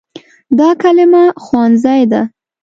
دا کلمه “ښوونځی” ده.